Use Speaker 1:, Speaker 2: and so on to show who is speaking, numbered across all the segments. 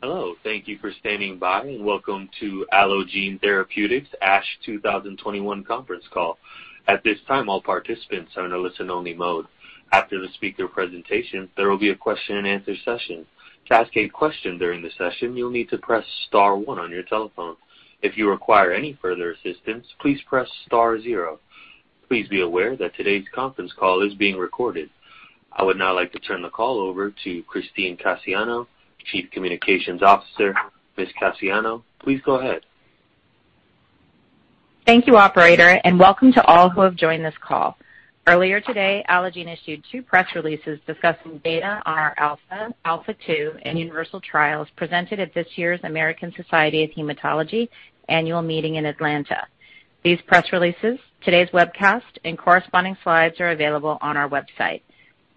Speaker 1: Hello. Thank you for standing by, and welcome to Allogene Therapeutics ASH 2021 Conference Call. At this time, all participants are in a listen only mode. After the speaker presentation, there will be a question and answer session. To ask a question during the session, you'll need to press star one on your telephone. If you require any further assistance, please press star zero. Please be aware that today's conference call is being recorded. I would now like to turn the call over to Christine Cassiano, Chief Communications Officer. Ms. Cassiano, please go ahead.
Speaker 2: Thank you, operator, and welcome to all who have joined this call. Earlier today, Allogene issued two press releases discussing data on our ALPHA, ALPHA2 and UNIVERSAL trials presented at this year's American Society of Hematology annual meeting in Atlanta. These press releases, today's webcast and corresponding slides are available on our website.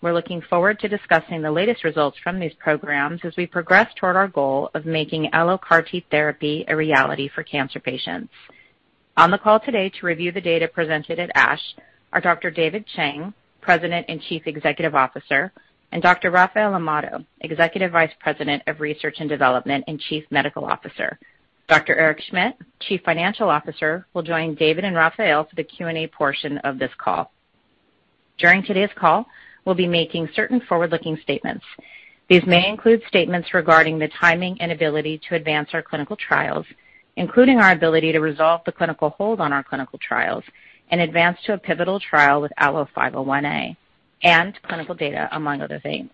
Speaker 2: We're looking forward to discussing the latest results from these programs as we progress toward our goal of making AlloCAR T therapy a reality for cancer patients. On the call today to review the data presented at ASH are Dr. David Chang, President and Chief Executive Officer, and Dr. Rafael Amado, Executive Vice President of Research and Development and Chief Medical Officer. Dr. Eric Schmidt, Chief Financial Officer, will join David and Rafael for the Q&A portion of this call. During today's call, we'll be making certain forward-looking statements. These may include statements regarding the timing and ability to advance our clinical trials, including our ability to resolve the clinical hold on our clinical trials and advance to a pivotal trial with ALLO-501A and clinical data, among other things.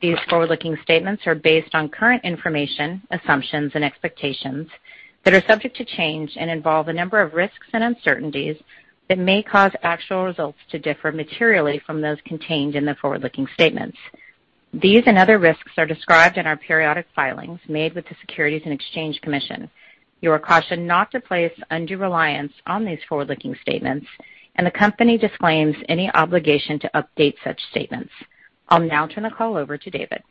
Speaker 2: These forward-looking statements are based on current information, assumptions and expectations that are subject to change and involve a number of risks and uncertainties that may cause actual results to differ materially from those contained in the forward-looking statements. These and other risks are described in our periodic filings made with the Securities and Exchange Commission. You are cautioned not to place undue reliance on these forward-looking statements, and the company disclaims any obligation to update such statements. I'll now turn the call over to David.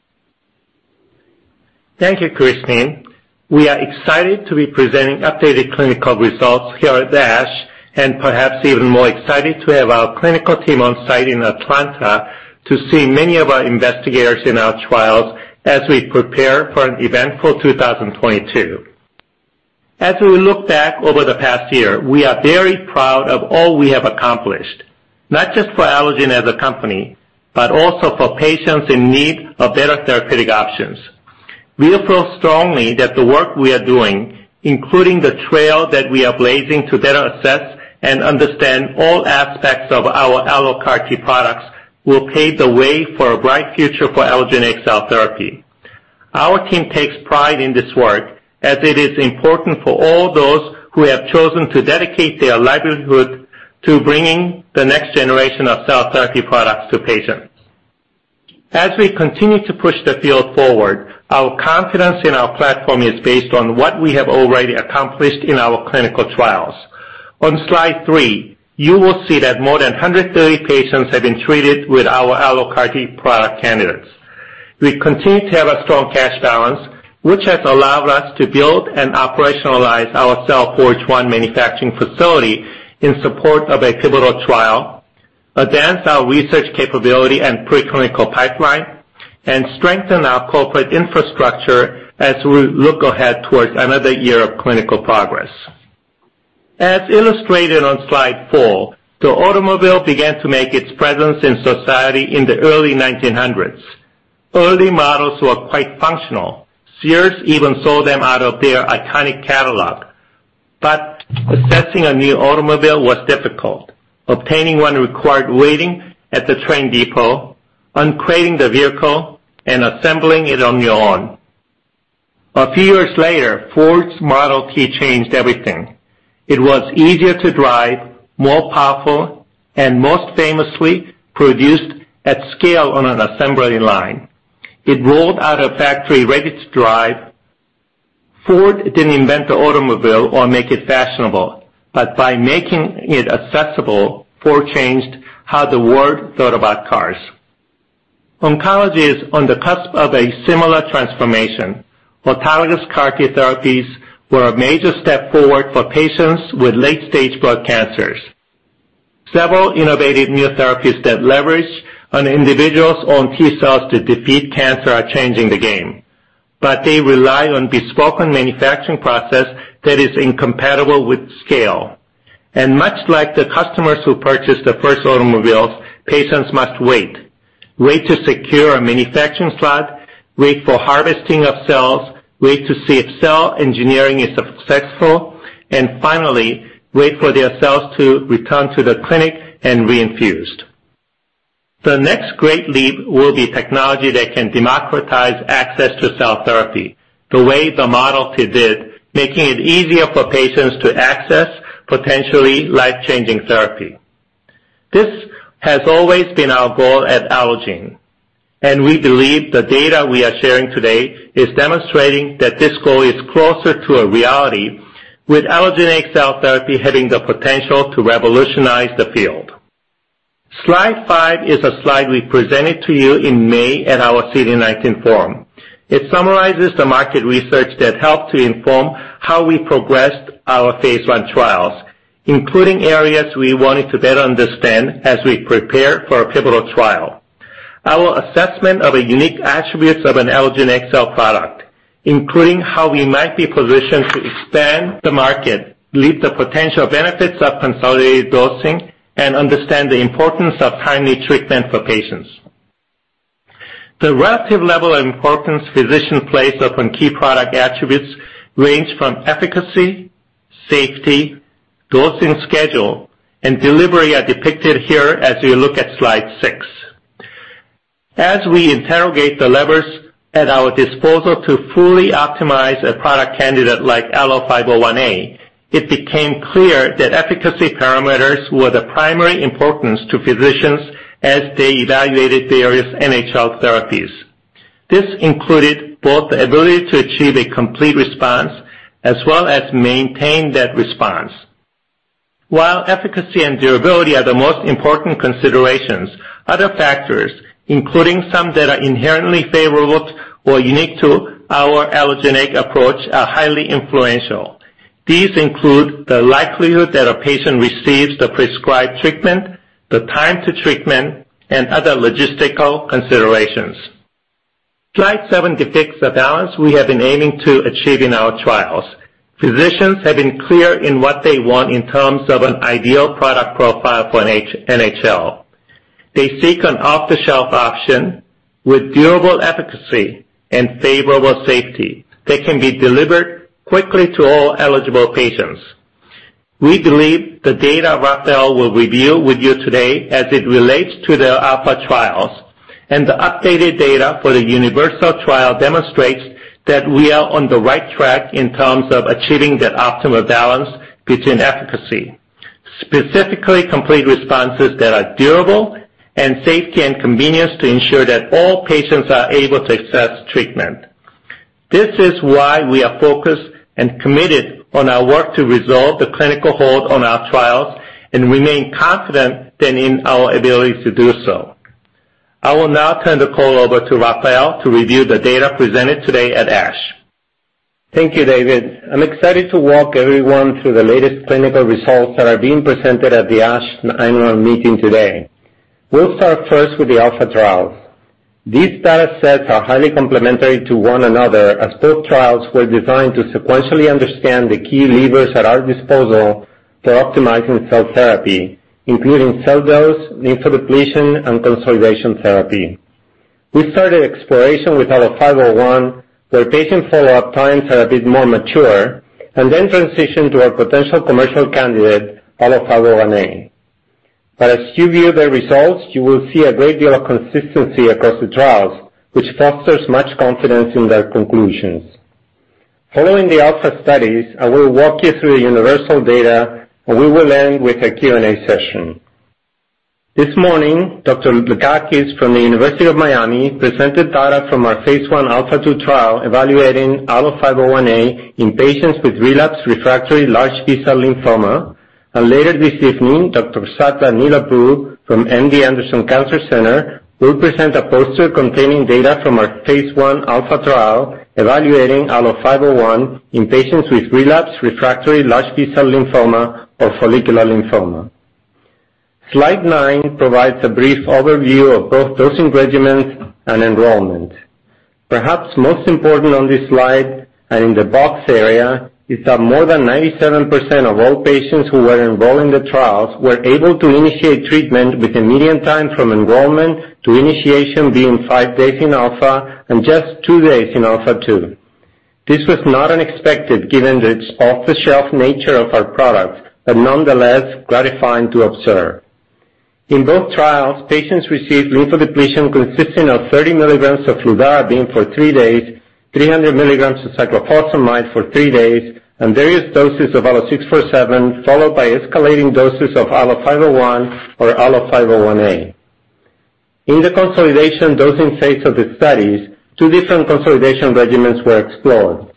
Speaker 3: Thank you, Christine. We are excited to be presenting updated clinical results here at ASH and perhaps even more excited to have our clinical team on site in Atlanta to see many of our investigators in our trials as we prepare for an eventful 2022. As we look back over the past year, we are very proud of all we have accomplished, not just for Allogene as a company, but also for patients in need of better therapeutic options. We feel strongly that the work we are doing, including the trail that we are blazing to better assess and understand all aspects of our AlloCAR T products, will pave the way for a bright future for allogeneic cell therapy. Our team takes pride in this work as it is important for all those who have chosen to dedicate their livelihood to bringing the next generation of cell therapy products to patients. As we continue to push the field forward, our confidence in our platform is based on what we have already accomplished in our clinical trials. On slide three, you will see that more than 130 patients have been treated with our AlloCAR T product candidates. We continue to have a strong cash balance, which has allowed us to build and operationalize our CellForge One manufacturing facility in support of a pivotal trial, advance our research capability and pre-clinical pipeline, and strengthen our corporate infrastructure as we look ahead towards another year of clinical progress. As illustrated on slide four, the automobile began to make its presence in society in the early 1900s. Early models were quite functional. Sears even sold them out of their iconic catalog. Assessing a new automobile was difficult. Obtaining one required waiting at the train depot, uncrating the vehicle and assembling it on your own. A few years later, Ford's Model T changed everything. It was easier to drive, more powerful, and most famously produced at scale on an assembly line. It rolled out of a factory ready to drive. Ford didn't invent the automobile or make it fashionable, but by making it accessible, Ford changed how the world thought about cars. Oncology is on the cusp of a similar transformation. Autologous CAR T therapies were a major step forward for patients with late-stage blood cancers. Several innovative new therapies that leverage an individual's own T cells to defeat cancer are changing the game, but they rely on bespoke manufacturing process that is incompatible with scale. Much like the customers who purchased the first automobiles, patients must wait. Wait to secure a manufacturing slot, wait for harvesting of cells, wait to see if cell engineering is successful, and finally wait for their cells to return to the clinic and reinfused. The next great leap will be technology that can democratize access to cell therapy the way the Model T did, making it easier for patients to access potentially life-changing therapy. This has always been our goal at Allogene, and we believe the data we are sharing today is demonstrating that this goal is closer to a reality, with allogeneic cell therapy having the potential to revolutionize the field. Slide five is a slide we presented to you in May at our CD19 forum. It summarizes the market research that helped to inform how we progressed our phase I trials, including areas we wanted to better understand as we prepare for a pivotal trial, our assessment of the unique attributes of an Allogene XL product, including how we might be positioned to expand the market, lead the potential benefits of consolidated dosing, and understand the importance of timely treatment for patients. The relative level of importance physicians place upon key product attributes range from efficacy, safety, dosing schedule, and delivery, are depicted here as you look at slide six. As we interrogate the levers at our disposal to fully optimize a product candidate like ALLO-501A, it became clear that efficacy parameters were the primary importance to physicians as they evaluated various NHL therapies. This included both the ability to achieve a complete response as well as maintain that response. While efficacy and durability are the most important considerations, other factors, including some that are inherently favorable or unique to our allogeneic approach, are highly influential. These include the likelihood that a patient receives the prescribed treatment, the time to treatment, and other logistical considerations. Slide seven depicts the balance we have been aiming to achieve in our trials. Physicians have been clear in what they want in terms of an ideal product profile for an NHL. They seek an off-the-shelf option with durable efficacy and favorable safety that can be delivered quickly to all eligible patients. We believe the data Rafael will review with you today as it relates to the ALPHA trials and the updated data for the UNIVERSAL trial demonstrates that we are on the right track in terms of achieving that optimal balance between efficacy, specifically complete responses that are durable and safety and convenience to ensure that all patients are able to access treatment. This is why we are focused and committed on our work to resolve the clinical hold on our trials and remain confident that in our ability to do so. I will now turn the call over to Rafael to review the data presented today at ASH.
Speaker 4: Thank you, David. I'm excited to walk everyone through the latest clinical results that are being presented at the ASH annual meeting today. We'll start first with the ALPHA trials. These data sets are highly complementary to one another, as both trials were designed to sequentially understand the key levers at our disposal for optimizing cell therapy, including cell dose, lymphodepletion, and consolidation therapy. We started exploration with ALLO-501, where patient follow-up times are a bit more mature, and then transitioned to our potential commercial candidate, ALLO-501A. As you view the results, you will see a great deal of consistency across the trials, which fosters much confidence in their conclusions. Following the ALPHA studies, I will walk you through the UNIVERSAL data, and we will end with a Q&A session. This morning, Dr. Blatakis from the University of Miami presented data from our phase I ALPHA2 trial evaluating ALLO-501A in patients with relapsed refractory large B-cell lymphoma. Later this evening, Dr. Satya Neelapu from MD Anderson Cancer Center will present a poster containing data from our phase I ALPHA trial evaluating ALLO-501 in patients with relapsed refractory large B-cell lymphoma or follicular lymphoma. Slide nine provides a brief overview of both dosing regimens and enrollment. Perhaps most important on this slide, and in the box area, is that more than 97% of all patients who were enrolled in the trials were able to initiate treatment with a median time from enrollment to initiation being five days in ALPHA and just two days in ALPHA2. This was not unexpected given the off-the-shelf nature of our products, but nonetheless gratifying to observe. In both trials, patients received lymphodepletion consisting of 30 milligrams of fludarabine for three days, 300 milligrams of cyclophosphamide for three days, and various doses of ALLO-647, followed by escalating doses of ALLO-501 or ALLO-501A. In the consolidation dosing phase of the studies, two different consolidation regimens were explored.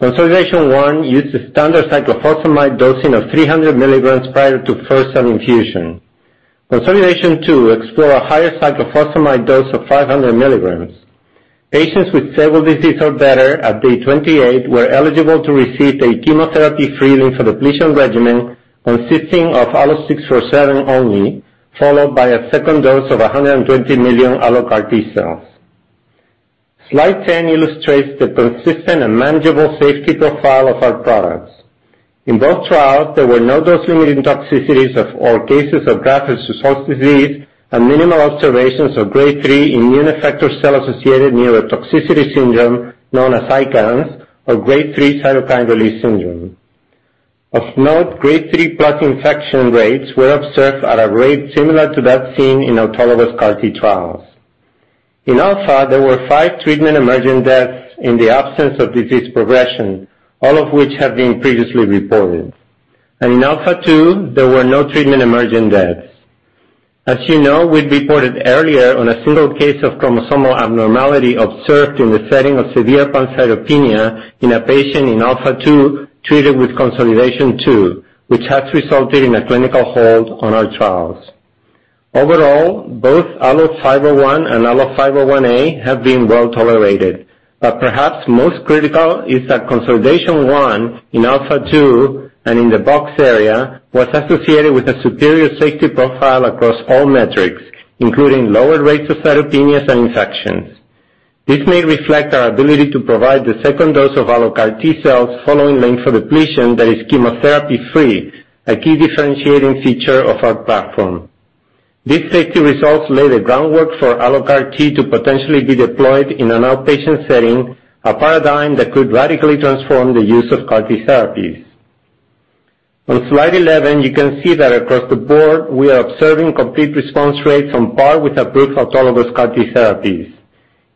Speaker 4: Consolidation 1 used the standard cyclophosphamide dosing of 300 milligrams prior to first cell infusion. Consolidation two explored a higher cyclophosphamide dose of 500 milligrams. Patients with stable disease or better at day 28 were eligible to receive a chemotherapy-free lymphodepletion regimen consisting of ALLO-647 only, followed by a second dose of 120 million AlloCAR T cells. Slide 10 illustrates the consistent and manageable safety profile of our products. In both trials, there were no dose-limiting toxicities or all cases of GvHD and minimal observations of grade three immune effector cell-associated neurotoxicity syndrome known as ICANS or grade three cytokine release syndrome. Of note, grade three+ infection rates were observed at a rate similar to that seen in autologous CAR T trials. In ALPHA, there were five treatment-emergent deaths in the absence of disease progression, all of which have been previously reported. In ALPHA2, there were no treatment-emergent deaths. As you know, we reported earlier on a single case of chromosomal abnormality observed in the setting of severe pancytopenia in a patient in ALPHA2 treated with consolidation two, which has resulted in a clinical hold on our trials. Overall, both ALLO-501 and ALLO-501A have been well tolerated. Perhaps most critical is that consolidation arm in ALPHA2 and in the ALLO-501A was associated with a superior safety profile across all metrics, including lower rates of cytopenias and infections. This may reflect our ability to provide the second dose of AlloCAR T cells following lymphodepletion that is chemotherapy-free, a key differentiating feature of our platform. These safety results lay the groundwork for AlloCAR T to potentially be deployed in an outpatient setting, a paradigm that could radically transform the use of CAR T therapies. On slide 11, you can see that across the board, we are observing complete response rates on par with approved autologous CAR T therapies.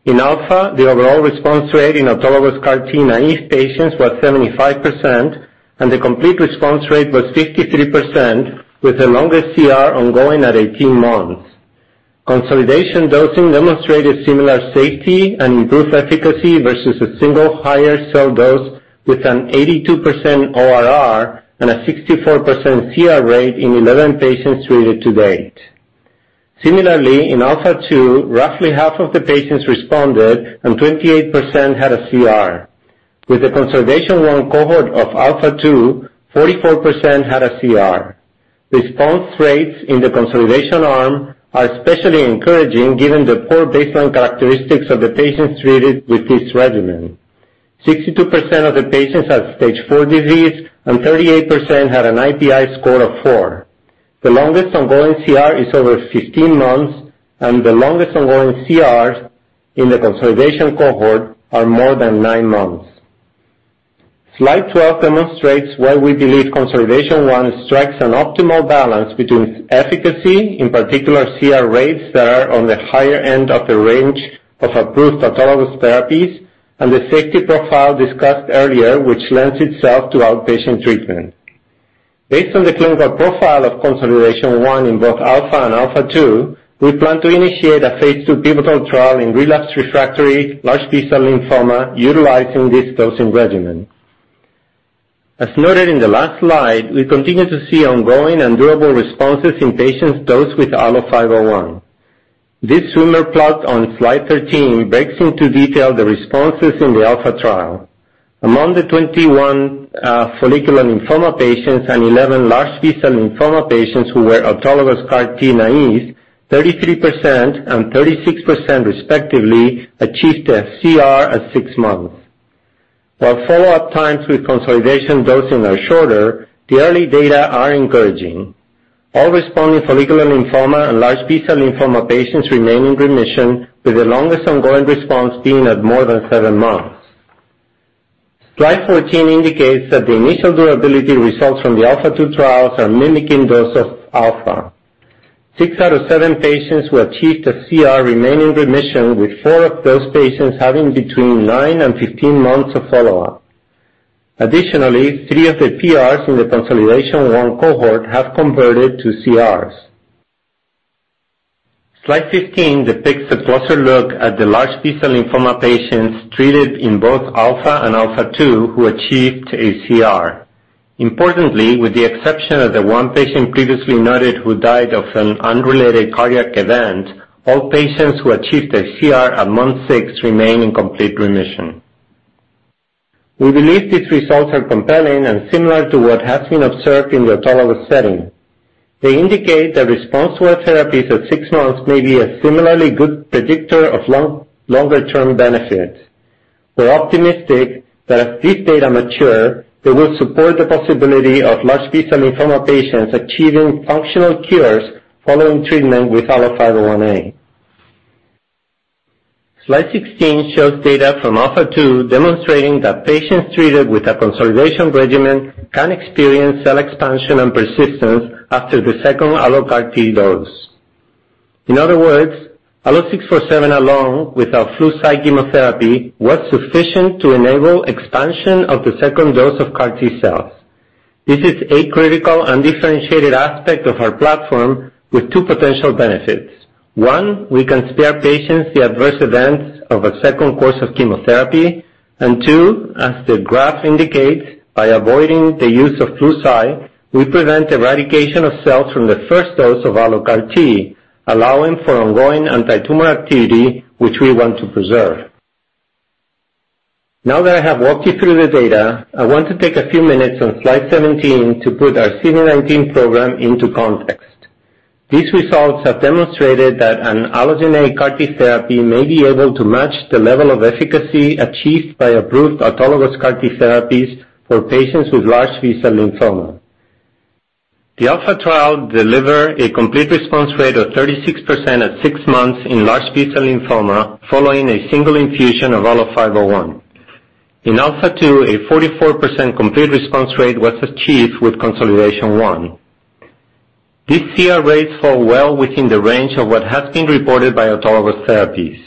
Speaker 4: In ALPHA, the overall response rate in autologous CAR T-naïve patients was 75%, and the complete response rate was 53%, with the longest CR ongoing at 18 months. Consolidation dosing demonstrated similar safety and improved efficacy versus a single higher cell dose with an 82% ORR and a 64% CR rate in 11 patients treated to date. Similarly, in ALPHA2, roughly half of the patients responded, and 28% had a CR. With the consolidation cohort of ALPHA2, 44% had a CR. Response rates in the consolidation arm are especially encouraging given the poor baseline characteristics of the patients treated with this regimen. 62% of the patients had stage four disease, and 38% had an IPI score of 4. The longest ongoing CR is over 15 months, and the longest ongoing CRs in the consolidation cohort are more than nine months. Slide 12 demonstrates why we believe consolidation one strikes an optimal balance between efficacy, in particular CR rates that are on the higher end of the range of approved autologous therapies, and the safety profile discussed earlier, which lends itself to outpatient treatment. Based on the clinical profile of consolidation one in both ALPHA and ALPHA2, we plan to initiate a phase II pivotal trial in relapsed/refractory large B-cell lymphoma utilizing this dosing regimen. As noted in the last slide, we continue to see ongoing and durable responses in patients dosed with ALLO-501. This tumor plot on slide 13 breaks down in detail the responses in the ALPHA trial. Among the 21 follicular lymphoma patients and 11 large B-cell lymphoma patients who were autologous CAR T-naïve, 33% and 36% respectively achieved a CR at 6 months. While follow-up times with consolidation dosing are shorter, the early data are encouraging. All responding follicular lymphoma and large B-cell lymphoma patients remain in remission, with the longest ongoing response being at more than seven months. Slide 14 indicates that the initial durability results from the ALPHA2 trials are mimicking those of ALPHA. six out of seven patients who achieved a CR remain in remission, with four of those patients having between nine and 15 months of follow-up. Additionally, three of the PRs in the consolidation one cohort have converted to CRs. Slide 15 depicts a closer look at the large B-cell lymphoma patients treated in both ALPHA and ALPHA2 who achieved a CR. Importantly, with the exception of the 1 patient previously noted who died of an unrelated cardiac event, all patients who achieved a CR at month six remain in complete remission. We believe these results are compelling and similar to what has been observed in the autologous setting. They indicate that response to our therapies at six months may be a similarly good predictor of longer-term benefit. We're optimistic that as these data mature, they will support the possibility of large B-cell lymphoma patients achieving functional cures following treatment with ALLO-501A. Slide 16 shows data from ALPHA2 demonstrating that patients treated with a consolidation regimen can experience cell expansion and persistence after the second AlloCAR T dose. In other words, ALLO-647, along with our Flu/Cy chemotherapy, was sufficient to enable expansion of the second dose of CAR T cells. This is a critical and differentiated aspect of our platform with two potential benefits. One, we can spare patients the adverse events of a second course of chemotherapy. Two, as the graph indicates, by avoiding the use of Flu/Cy, we prevent eradication of cells from the first dose of AlloCAR T, allowing for ongoing antitumor activity, which we want to preserve. Now that I have walked you through the data, I want to take a few minutes on slide 17 to put our CD19 program into context. These results have demonstrated that an allogeneic CAR T therapy may be able to match the level of efficacy achieved by approved autologous CAR T therapies for patients with large B-cell lymphoma. The ALPHA trial delivered a complete response rate of 36% at six months in large B-cell lymphoma following a single infusion of ALLO-501. In ALPHA2, a 44% complete response rate was achieved with consolidation one. These CR rates fall well within the range of what has been reported by autologous therapies.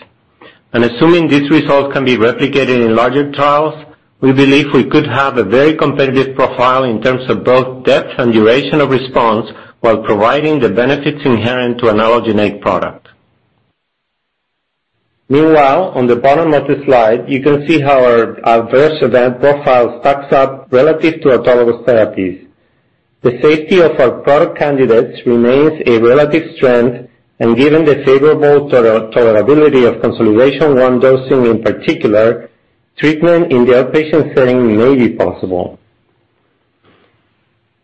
Speaker 4: Assuming these results can be replicated in larger trials, we believe we could have a very competitive profile in terms of both depth and duration of response while providing the benefits inherent to an allogeneic product. Meanwhile, on the bottom of the slide, you can see how our adverse event profile stacks up relative to autologous therapies. The safety of our product candidates remains a relative strength, and given the favorable tolerability of single dosing in particular, treatment in the outpatient setting may be possible.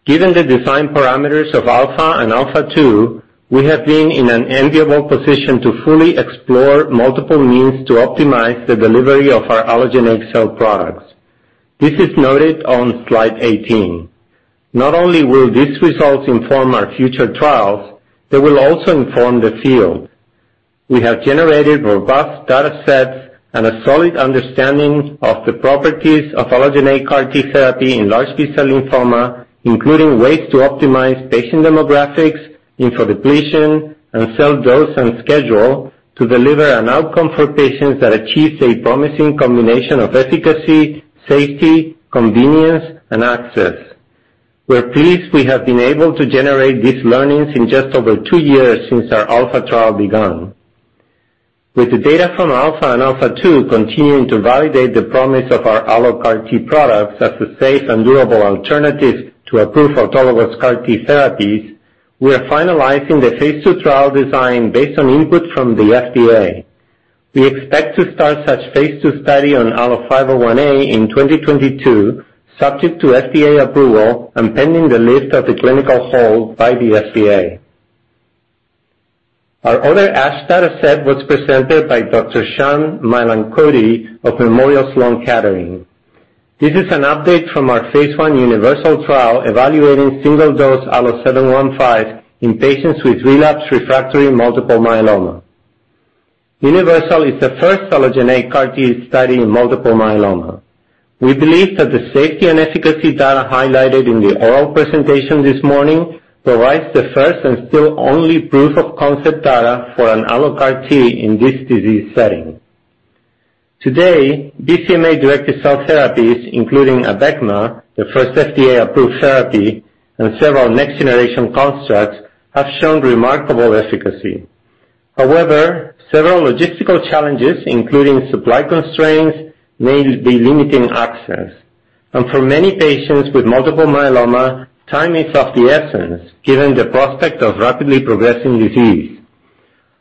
Speaker 4: Given the design parameters of ALPHA and ALPHA 2, we have been in an enviable position to fully explore multiple means to optimize the delivery of our allogeneic cell products. This is noted on slide 18. Not only will these results inform our future trials, they will also inform the field. We have generated robust data sets and a solid understanding of the properties of allogeneic CAR T therapy in large B-cell lymphoma, including ways to optimize patient demographics, lymphodepletion, and cell dose and schedule to deliver an outcome for patients that achieves a promising combination of efficacy, safety, convenience, and access. We're pleased we have been able to generate these learnings in just over two years since our ALPHA trial begun. With the data from ALPHA and ALPHA2 continuing to validate the promise of our AlloCAR T products as a safe and durable alternative to approved autologous CAR T therapies, we are finalizing the phase II trial design based on input from the FDA. We expect to start such phase II study on ALLO-501A in 2022, subject to FDA approval and pending the lift of the clinical hold by the FDA. Our other ASH data set was presented by Dr. Sham Mailankody of Memorial Sloan Kettering. This is an update from our phase I UNIVERSAL trial evaluating single-dose ALLO-715 in patients with relapsed/refractory multiple myeloma. UNIVERSAL is the first AlloCAR T study in multiple myeloma. We believe that the safety and efficacy data highlighted in the oral presentation this morning provides the first and still only proof of concept data for an AlloCAR T in this disease setting. Today, BCMA-directed cell therapies, including ABECMA, the first FDA-approved therapy, and several next-generation constructs, have shown remarkable efficacy. However, several logistical challenges, including supply constraints, may be limiting access. For many patients with multiple myeloma, time is of the essence, given the prospect of rapidly progressing disease.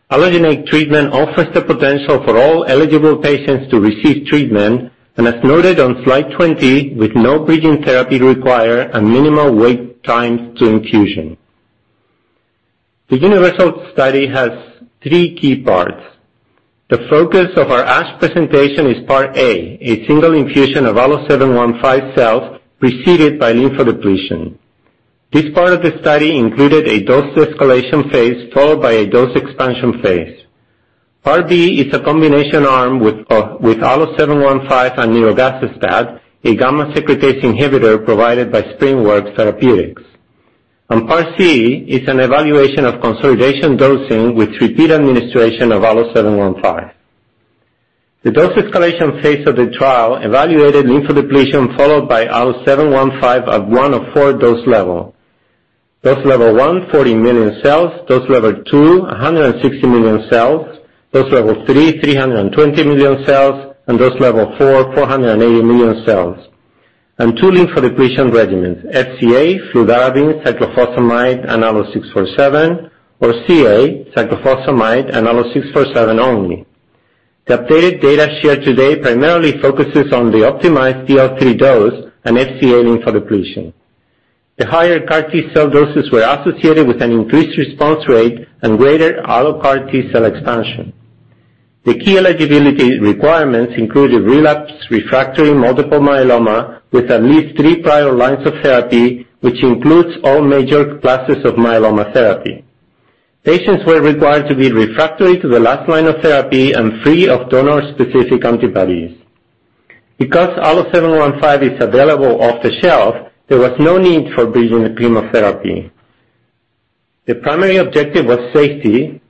Speaker 4: Allogeneic treatment offers the potential for all eligible patients to receive treatment, and as noted on slide 20, with no bridging therapy required and minimal wait times to infusion. The UNIVERSAL study has three key parts. The focus of our ASH presentation is part A, a single infusion of ALLO-715 cells preceded by lymphodepletion. This part of the study included a dose escalation phase followed by a dose expansion phase. Part B is a combination arm with ALLO-715 and nirogacestat, a gamma secretase inhibitor provided by SpringWorks Therapeutics. Part C is an evaluation of consolidation dosing with repeat administration of ALLO-715. The dose escalation phase of the trial evaluated lymphodepletion followed by ALLO-715 at one of four dose level. Dose level one, 40 million cells, dose level two, 160 million cells, dose level three, 320 million cells, and dose level 4, 480 million cells. Two lymphodepletion regimens, FCA, fludarabine, cyclophosphamide, and ALLO-647, or CA, cyclophosphamide and ALLO-647 only. The updated data shared today primarily focuses on the optimized DL3 dose and FCA lymphodepletion. The higher CAR T-cell doses were associated with an increased response rate and greater allo CAR T-cell expansion. The key eligibility requirements included relapsed refractory multiple myeloma with at least three prior lines of therapy, which includes all major classes of myeloma therapy. Patients were required to be refractory to the last line of therapy and free of donor-specific antibodies. Because ALLO-715 is available off the shelf, there was no need for bridging chemotherapy. The primary objective was safety,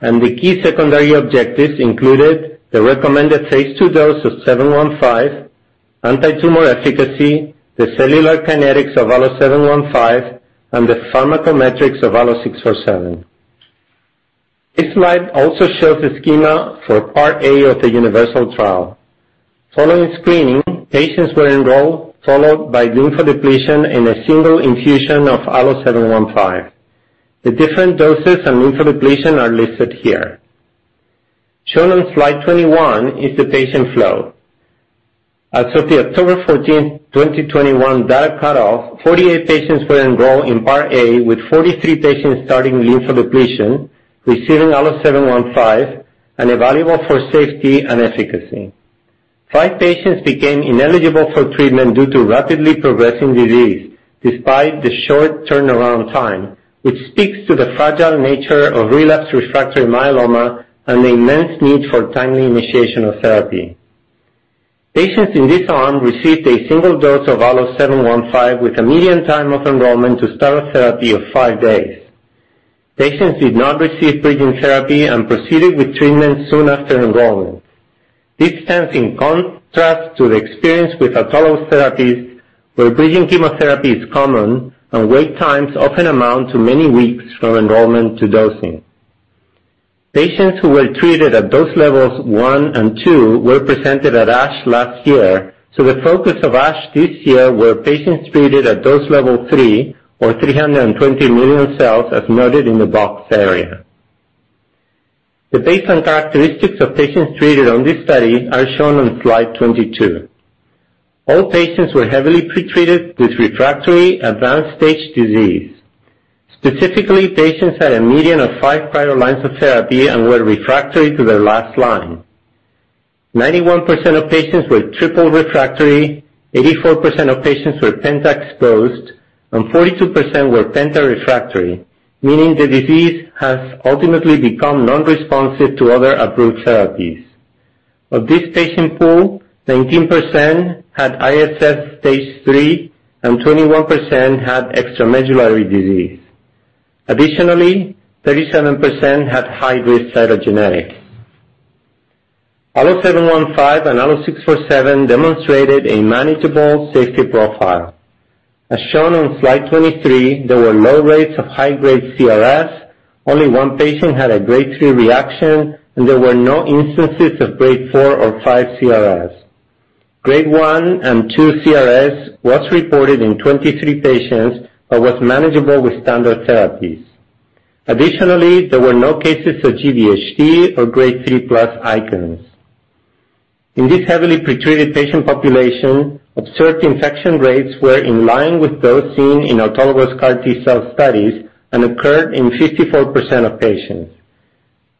Speaker 4: and the key secondary objectives included the recommended phase II dose of ALLO-715, antitumor efficacy, the cellular kinetics of ALLO-715, and the pharmacometrics of ALLO-647. This slide also shows the schema for part A of the UNIVERSAL trial. Following screening, patients were enrolled, followed by lymphodepletion and a single infusion of ALLO-715. The different doses and lymphodepletion are listed here. Shown on slide 21 is the patient flow. As of the October 14, 2021 data cutoff, 48 patients were enrolled in part A, with 43 patients starting lymphodepletion, receiving ALLO-715, and evaluable for safety and efficacy. Five patients became ineligible for treatment due to rapidly progressing disease despite the short turnaround time, which speaks to the fragile nature of relapsed refractory myeloma and the immense need for timely initiation of therapy. Patients in this arm received a single dose of ALLO-715 with a median time of enrollment to start of therapy of five days. Patients did not receive bridging therapy and proceeded with treatment soon after enrollment. This stands in contrast to the experience with autologous therapies, where bridging chemotherapy is common and wait times often amount to many weeks from enrollment to dosing. Patients who were treated at dose levels 1 and 2 were presented at ASH last year, so the focus of ASH this year were patients treated at dose level three or 320 million cells, as noted in the box area. The baseline characteristics of patients treated on this study are shown on slide 22. All patients were heavily pretreated with refractory advanced stage disease. Specifically, patients had a median of 5 prior lines of therapy and were refractory to their last line. 91% of patients were triple refractory, 84% of patients were penta-exposed, and 42% were penta-refractory, meaning the disease has ultimately become non-responsive to other approved therapies. Of this patient pool, 19% had ISS stage three, and 21% had extramedullary disease. Additionally, 37% had high-risk cytogenetics. ALLO-715 and ALLO-647 demonstrated a manageable safety profile. As shown on slide 23, there were low rates of high-grade CRS. Only one patient had a Grade three reaction, and there were no instances of Grade 4 or 5 CRS. Grade one and two CRS was reported in 23 patients but was manageable with standard therapies. Additionally, there were no cases of GvHD or Grade 3+ ICANS. In this heavily pretreated patient population, observed infection rates were in line with those seen in autologous CAR T-cell studies and occurred in 54% of patients.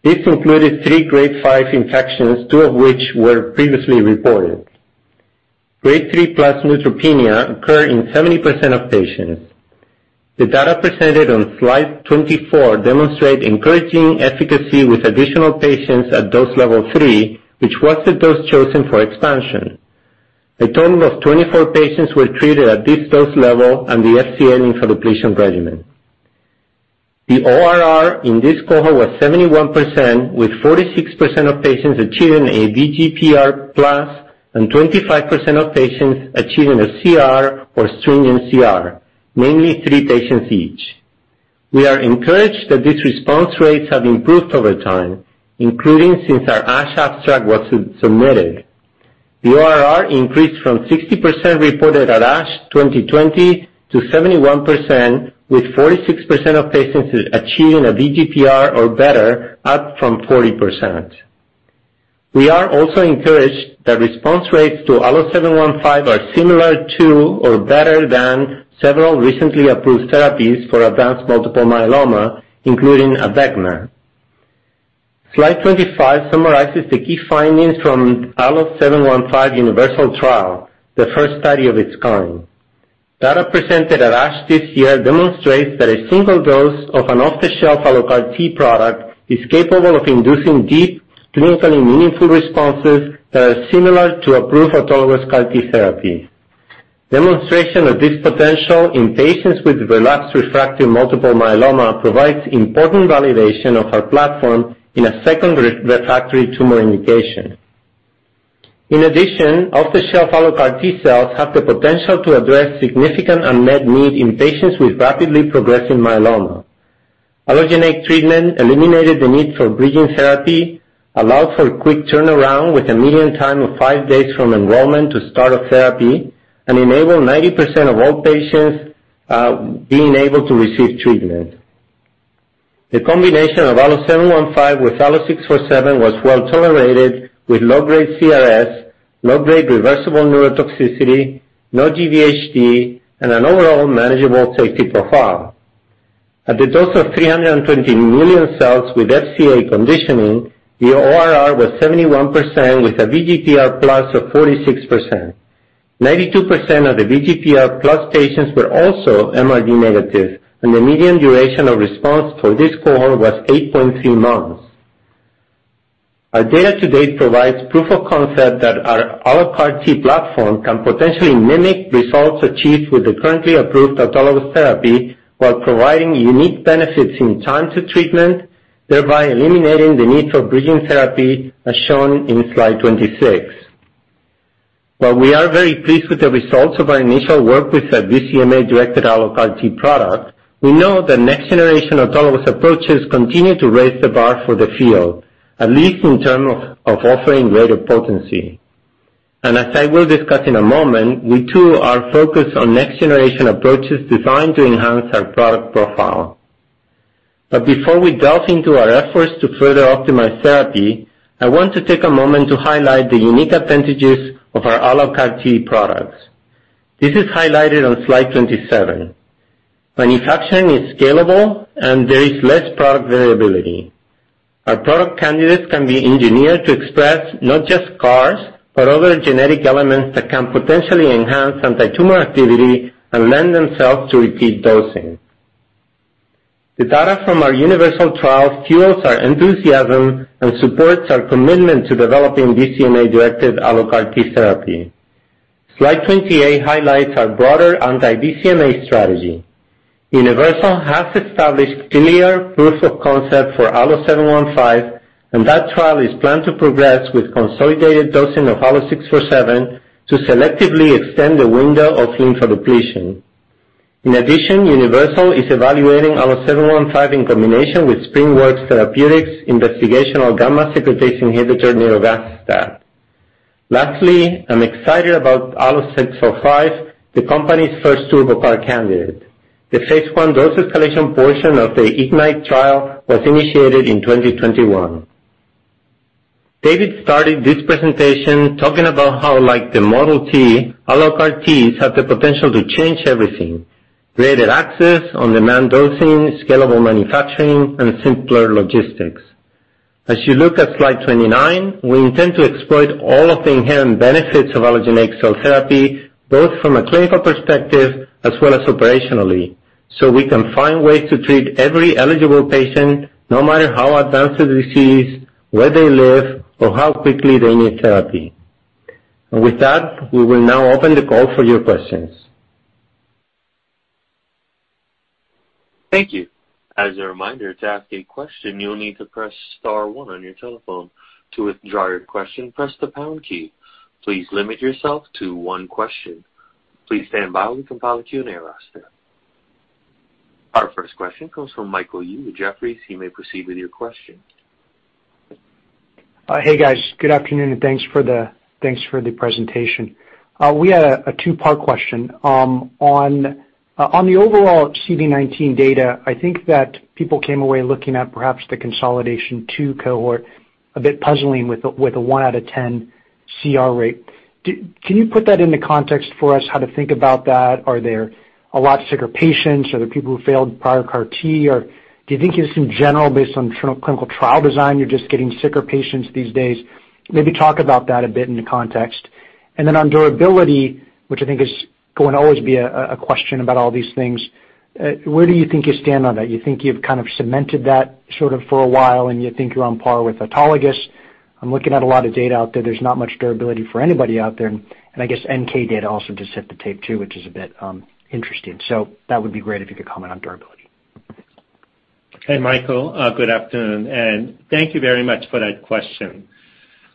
Speaker 4: This included three Grade five infections, two of which were previously reported. Grade 3+ neutropenia occurred in 70% of patients. The data presented on slide 24 demonstrate encouraging efficacy with additional patients at dose level three, which was the dose chosen for expansion. A total of 24 patients were treated at this dose level and the FCA lymphodepletion regimen. The ORR in this cohort was 71%, with 46% of patients achieving a VGPR+ and 25% of patients achieving a CR or stringent CR, namely three patients each. We are encouraged that these response rates have improved over time, including since our ASH abstract was submitted. The ORR increased from 60% reported at ASH 2020 to 71%, with 46% of patients achieving a VGPR or better, up from 40%. We are also encouraged that response rates to ALLO-715 are similar to or better than several recently approved therapies for advanced multiple myeloma, including ABECMA. Slide 25 summarizes the key findings from ALLO-715 UNIVERSAL trial, the first study of its kind. Data presented at ASH this year demonstrates that a single dose of an off-the-shelf AlloCAR T product is capable of inducing deep, clinically meaningful responses that are similar to approved autologous CAR T therapy. Demonstration of this potential in patients with relapsed refractory multiple myeloma provides important validation of our platform in a second refractory tumor indication. In addition, off-the-shelf AlloCAR T cells have the potential to address significant unmet need in patients with rapidly progressing myeloma. Allogeneic treatment eliminated the need for bridging therapy, allowed for quick turnaround with a median time of five days from enrollment to start of therapy, and enabled 90% of all patients being able to receive treatment. The combination of ALLO-715 with ALLO-647 was well-tolerated with low-grade CRS, low-grade reversible neurotoxicity, no GvHD, and an overall manageable safety profile. At the dose of 320 million cells with FCA conditioning, the ORR was 71% with a VGPR+ of 46%. 92% of the VGPR+ patients were also MRD negative, and the median duration of response for this cohort was 8.3 months. Our data to date provides proof of concept that our AlloCAR T platform can potentially mimic results achieved with the currently approved autologous therapy while providing unique benefits in time to treatment, thereby eliminating the need for bridging therapy, as shown in slide 26. While we are very pleased with the results of our initial work with the BCMA-directed AlloCAR T product, we know that next-generation autologous approaches continue to raise the bar for the field, at least in terms of offering greater potency. As I will discuss in a moment, we too are focused on next-generation approaches designed to enhance our product profile. Before we delve into our efforts to further optimize therapy, I want to take a moment to highlight the unique advantages of our AlloCAR T products. This is highlighted on slide 27. Manufacturing is scalable, and there is less product variability. Our product candidates can be engineered to express not just CARs, but other genetic elements that can potentially enhance antitumor activity and lend themselves to repeat dosing. The data from our Universal trial fuels our enthusiasm and supports our commitment to developing BCMA-directed AlloCAR T therapy. Slide 28 highlights our broader anti-BCMA strategy. UNIVERSAL has established clear proof of concept for ALLO-715, and that trial is planned to progress with consolidated dosing of ALLO-647 to selectively extend the window of lymphodepletion. In addition, UNIVERSAL is evaluating ALLO-715 in combination with SpringWorks Therapeutics investigational gamma secretase inhibitor, nirogacestat. Lastly, I'm excited about ALLO-605, the company's first TurboCAR candidate. The phase I dose-escalation portion of the IGNITE trial was initiated in 2021. David started this presentation talking about how, like the Model T, AlloCAR T's have the potential to change everything, greater access on-demand dosing, scalable manufacturing, and simpler logistics. As you look at slide 29, we intend to exploit all of the inherent benefits of allogeneic cell therapy, both from a clinical perspective as well as operationally, so we can find ways to treat every eligible patient, no matter how advanced the disease, where they live, or how quickly they need therapy. With that, we will now open the call for your questions.
Speaker 1: Thank you. As a reminder, to ask a question, you'll need to press star one on your telephone. To withdraw your question, press the pound key. Please limit yourself to one question. Please stand by. We compile a Q&A roster. Our first question comes from Michael Yee with Jefferies. You may proceed with your question.
Speaker 5: Hey, guys. Good afternoon, and thanks for the presentation. We had a two-part question. On the overall CD19 data, I think that people came away looking at perhaps the consolidation cohort, too, a bit puzzling with a one out of 10 CR rate. Can you put that into context for us, how to think about that? Are there a lot of sicker patients? Are there people who failed prior CAR T? Or do you think just in general, based on clinical trial design, you are just getting sicker patients these days? Maybe talk about that a bit in context. Then on durability, which I think is going to always be a question about all these things, where do you think you stand on that? You think you've kind of cemented that sort of for a while, and you think you're on par with autologous? I'm looking at a lot of data out there. There's not much durability for anybody out there, and I guess NK data also just hit the tape, too, which is a bit, interesting. That would be great if you could comment on durability.
Speaker 3: Hey, Michael, good afternoon, and thank you very much for that question.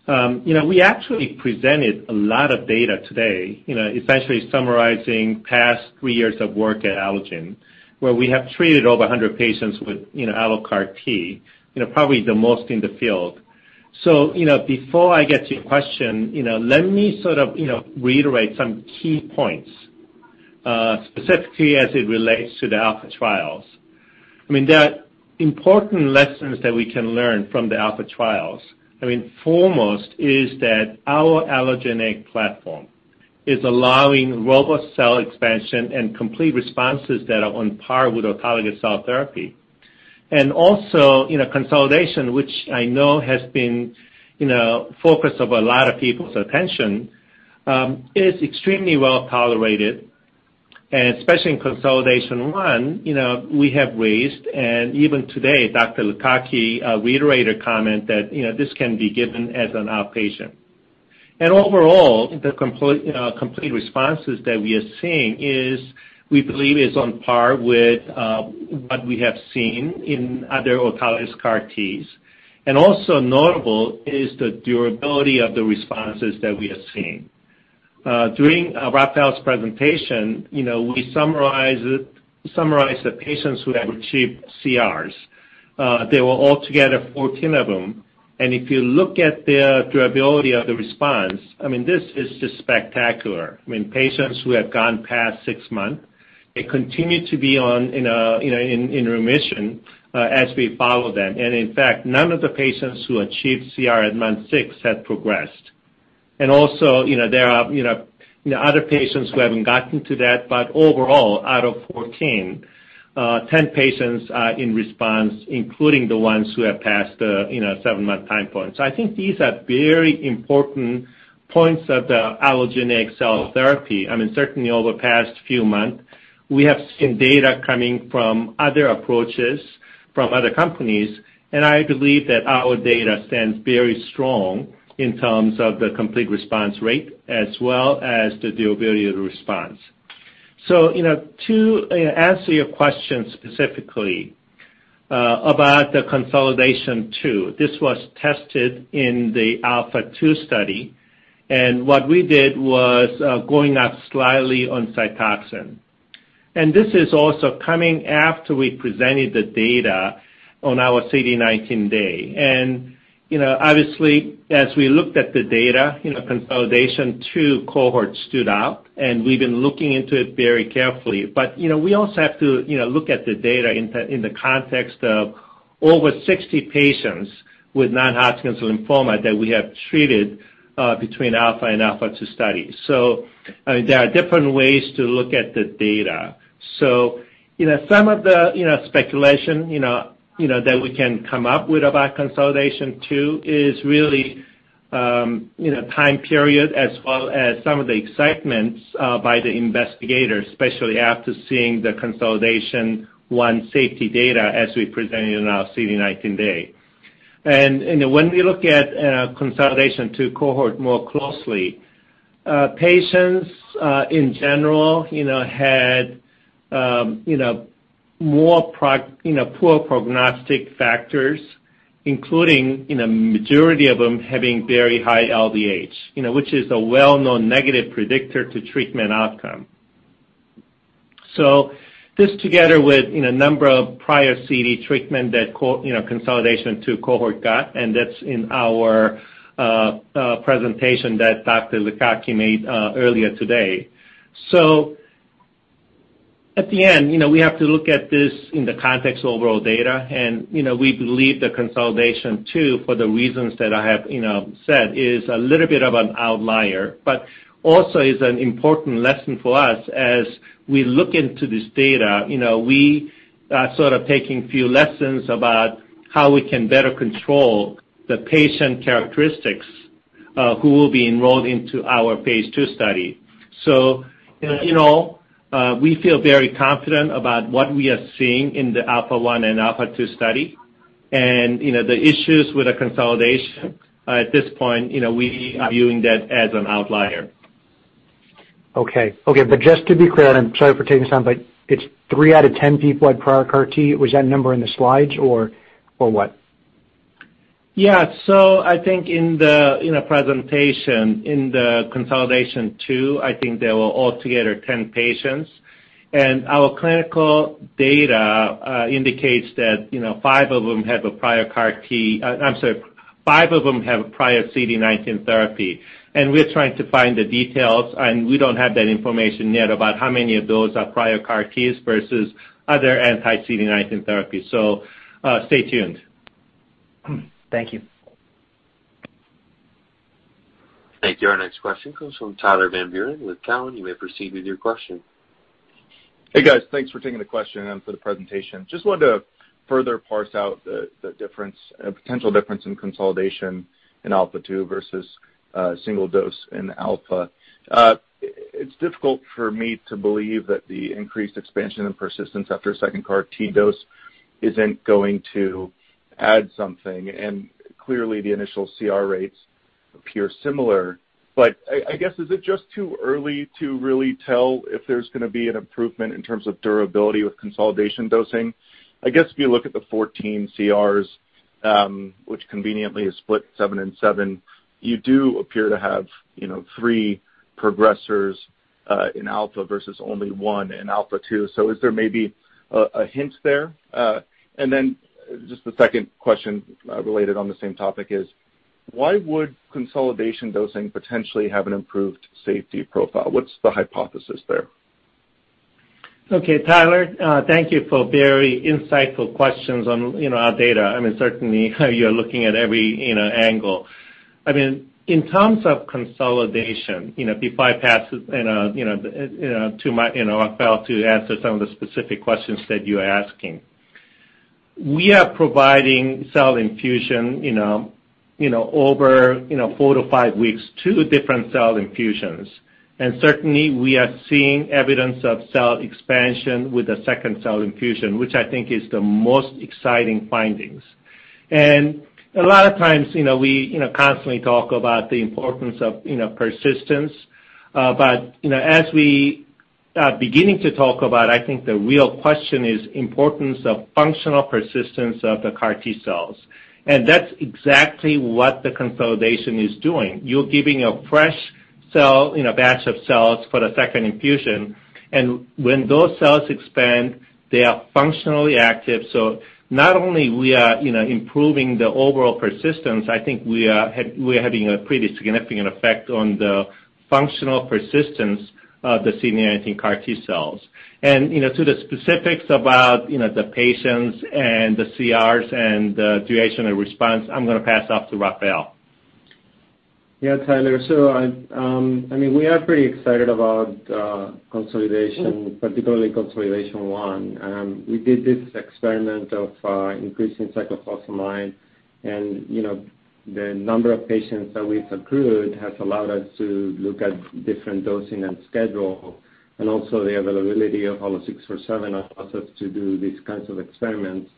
Speaker 3: You know, we actually presented a lot of data today, you know, essentially summarizing past three years of work at Allogene, where we have treated over 100 patients with, you know, AlloCAR T, you know, probably the most in the field. You know, before I get to your question, you know, let me sort of, you know, reiterate some key points, specifically as it relates to the ALPHA trials. I mean, there are important lessons that we can learn from the ALPHA trials. I mean, foremost is that our allogeneic platform is allowing robust cell expansion and complete responses that are on par with autologous cell therapy. Also, you know, consolidation, which I know has been, you know, focus of a lot of people's attention, is extremely well-tolerated, and especially in consolidation one, you know, we have raised, and even today, Dr. Lukaki reiterated a comment that, you know, this can be given as an outpatient. Overall, the complete responses that we are seeing is, we believe is on par with what we have seen in other autologous CAR Ts. Also notable is the durability of the responses that we are seeing. During Rafael's presentation, you know, we summarize the patients who have achieved CRs. There were altogether 14 of them. If you look at the durability of the response, I mean, this is just spectacular. I mean, patients who have gone past six months, they continue to be, you know, in remission as we follow them. In fact, none of the patients who achieved CR at month six have progressed. Also, you know, other patients who haven't gotten to that, but overall, out of 14, 10 patients are in response, including the ones who have passed the, you know, seven-month time point. I think these are very important points of the allogeneic cell therapy. I mean, certainly over the past few months, we have seen data coming from other approaches from other companies, and I believe that our data stands very strong in terms of the complete response rate as well as the durability of the response. You know, to you know answer your question specifically about the consolidation two, this was tested in the ALPHA2 study. What we did was going up slightly on Cytoxan. This is also coming after we presented the data on our CD19 day. You know, obviously, as we looked at the data, you know, consolidation two cohort stood out, and we've been looking into it very carefully. You know, we also have to you know look at the data in the context of over 60 patients with non-Hodgkin's lymphoma that we have treated between ALPHA and ALPHA2 studies. I mean, there are different ways to look at the data. Some of the speculation that we can come up with about consolidation two is really time period as well as some of the excitement by the investigators, especially after seeing the consolidation one safety data as we presented in our CD19 day. When we look at consolidation two cohort more closely, patients in general had more poor prognostic factors, including majority of them having very high LDH, which is a well-known negative predictor to treatment outcome. This together with number of prior CD19 treatment that consolidation two cohort got, and that's in our presentation that Dr. Lukachky made earlier today. At the end, you know, we have to look at this in the context of overall data, and, you know, we believe the consolidation too, for the reasons that I have, you know, said is a little bit of an outlier, but also is an important lesson for us as we look into this data. You know, we are sort of taking few lessons about how we can better control the patient characteristics, who will be enrolled into our phase II study. You know, we feel very confident about what we are seeing in the ALPHA and ALPHA2 study. You know, the issues with the consolidation, at this point, you know, we are viewing that as an outlier.
Speaker 5: Okay. Okay, just to be clear, and I'm sorry for taking this on, but it's three out of 10 people had prior CAR T. Was that number in the slides or what?
Speaker 3: Yeah. I think in the presentation, in the ALPHA2, I think there were altogether 10 patients. Our clinical data indicates that, you know, five of them have prior CD19 therapy, and we're trying to find the details, and we don't have that information yet about how many of those are prior CAR Ts versus other anti-CD19 therapy. Stay tuned.
Speaker 5: Thank you.
Speaker 1: Thank you. Our next question comes from Tyler Van Buren with Cowen. You may proceed with your question.
Speaker 6: Hey, guys. Thanks for taking the question and for the presentation. Just wanted to further parse out the difference, potential difference in consolidation in ALPHA2 versus single dose in ALPHA. It's difficult for me to believe that the increased expansion and persistence after a second CAR T dose isn't going to add something, and clearly the initial CR rates appear similar. I guess, is it just too early to really tell if there's gonna be an improvement in terms of durability with consolidation dosing? I guess if you look at the 14 CRs, which conveniently is split seven and seven, you do appear to have, you know, three progressors in ALPHA versus only one in ALPHA2. Is there maybe a hint there? Just the second question, related to the same topic is why would consolidation dosing potentially have an improved safety profile? What's the hypothesis there?
Speaker 3: Okay, Tyler, thank you for very insightful questions on, you know, our data. I mean, certainly you're looking at every, you know, angle. I mean, in terms of consolidation, you know, if I pass this on to my, you know, Rafael to answer some of the specific questions that you're asking. We are providing cell infusion, you know, over four-five weeks, two different cell infusions. Certainly we are seeing evidence of cell expansion with the second cell infusion, which I think is the most exciting findings. A lot of times, you know, we, you know, constantly talk about the importance of, you know, persistence. You know, as we beginning to talk about, I think the real question is importance of functional persistence of the CAR T cells. That's exactly what the consolidation is doing. You're giving a fresh cell in a batch of cells for the second infusion. When those cells expand, they are functionally active. Not only we are, you know, improving the overall persistence, I think we are having a pretty significant effect on the functional persistence of the CD19 CAR T cells. You know, to the specifics about, you know, the patients and the CRs and the duration of response, I'm gonna pass off to Rafael.
Speaker 4: Yeah, Tyler. I mean, we are pretty excited about C1, particularly C1. We did this experiment of increasing cyclophosphamide and you know the number of patients that we've accrued has allowed us to look at different dosing and schedule and also the availability of ALLO-647 allows us to do these kinds of experiments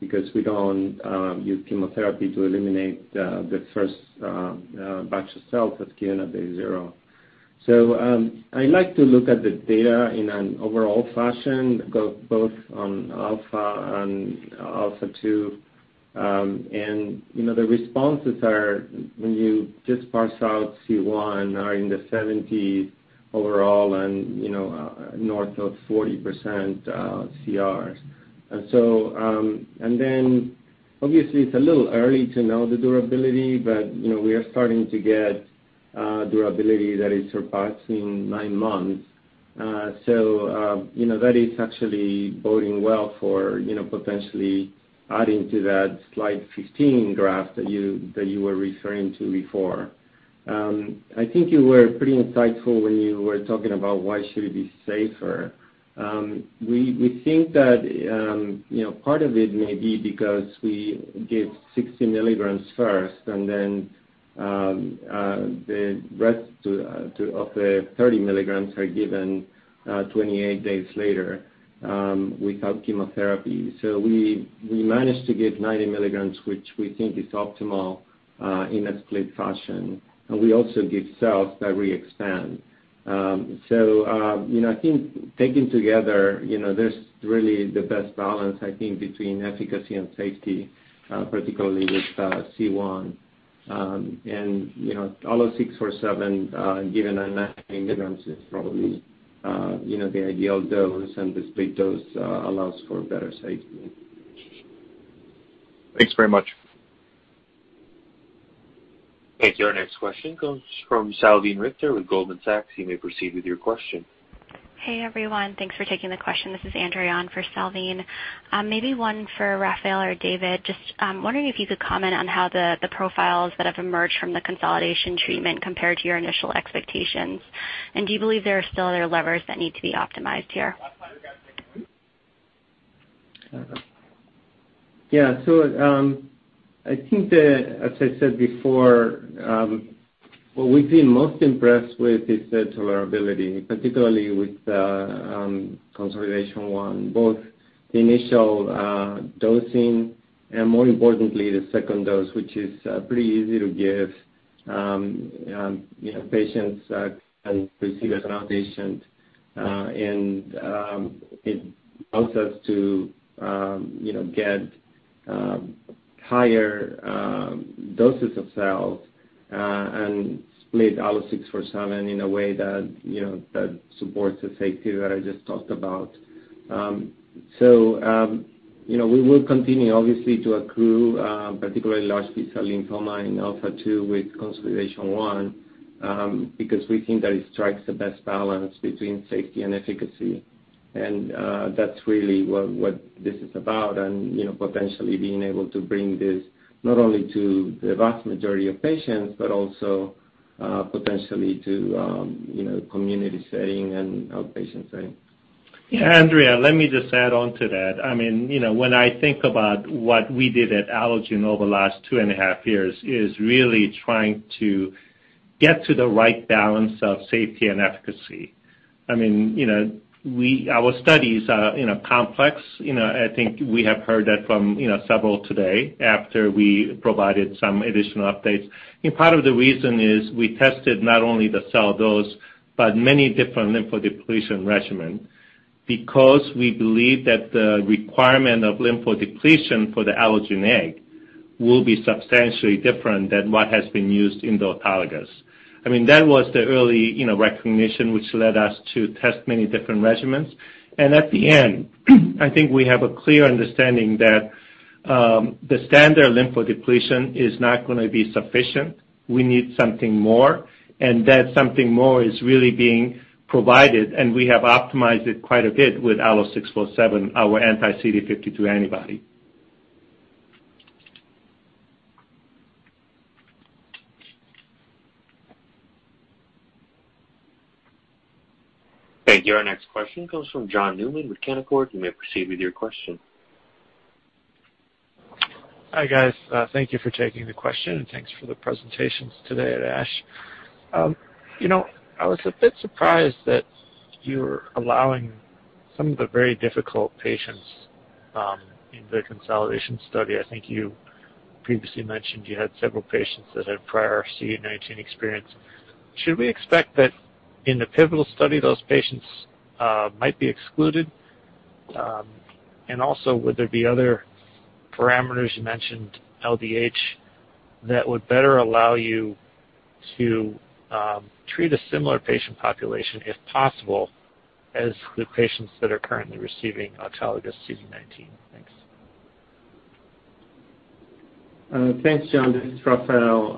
Speaker 4: because we don't use chemotherapy to eliminate the first batch of cells that's given at day zero. I like to look at the data in an overall fashion both on ALPHA and ALPHA2. You know, the responses, when you just parse out C1, are in the 70s overall and you know north of 40% CRs. It's a little early to know the durability, but you know, we are starting to get durability that is surpassing 9 months. You know, that is actually boding well for you know, potentially adding to that slide 15 graph that you were referring to before. I think you were pretty insightful when you were talking about why should it be safer. We think that you know, part of it may be because we give 60 milligrams first and then the rest of the 30 milligrams are given 28 days later without chemotherapy. We managed to give 90 milligrams, which we think is optimal in a split fashion. We also give cells that we expand. you know, I think taken together, you know, there's really the best balance, I think, between efficacy and safety, particularly with C1. you know, although ALLO-647 given in 90 mg is probably, you know, the ideal dose, and the split dose allows for better safety.
Speaker 7: Thanks very much.
Speaker 1: Thank you. Our next question comes from Salveen Richter with Goldman Sachs. You may proceed with your question.
Speaker 8: Hey, everyone. Thanks for taking the question. This is Andreon for Salvine. Maybe one for Rafael or David. Just wondering if you could comment on how the profiles that have emerged from the consolidation treatment compared to your initial expectations. Do you believe there are still other levers that need to be optimized here?
Speaker 4: I think. As I said before, what we've been most impressed with is the tolerability, particularly with the consolidation one, both the initial dosing and more importantly, the second dose, which is pretty easy to give, you know, patients can receive as outpatients. It allows us to, you know, get higher doses of cells and split ALLO-647 in a way that, you know, that supports the safety that I just talked about. You know, we will continue obviously to accrue, particularly large B-cell lymphoma in ALPHA2 with consolidation one, because we think that it strikes the best balance between safety and efficacy. That's really what this is about. You know, potentially being able to bring this not only to the vast majority of patients, but also, potentially to, you know, community setting and outpatient setting.
Speaker 3: Yeah, Andreon, let me just add on to that. I mean, you know, when I think about what we did at Allogene over the last 2.5 years is really trying to get to the right balance of safety and efficacy. I mean, you know, our studies are, you know, complex. You know, I think we have heard that from, you know, several today after we provided some additional updates. Part of the reason is we tested not only the cell dose, but many different lymphodepletion regimen, because we believe that the requirement of lymphodepletion for the allogeneic will be substantially different than what has been used in the autologous. I mean, that was the early, you know, recognition which led us to test many different regimens. At the end, I think we have a clear understanding that the standard lymphodepletion is not gonna be sufficient. We need something more, and that something more is really being provided, and we have optimized it quite a bit with ALLO-647, our anti-CD52 antibody.
Speaker 1: Thank you. Our next question comes from John Newman with Canaccord. You may proceed with your question.
Speaker 7: Hi, guys. Thank you for taking the question, and thanks for the presentations today at ASH. You know, I was a bit surprised that you were allowing some of the very difficult patients in the consolidation study. I think you previously mentioned you had several patients that had prior CD19 experience. Should we expect that in the pivotal study, those patients might be excluded? Also would there be other parameters, you mentioned LDH, that would better allow you to treat a similar patient population, if possible, as the patients that are currently receiving autologous CD19? Thanks.
Speaker 4: Thanks, John. This is Rafael.